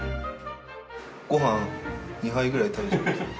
ごはん２杯ぐらい食べちゃいます。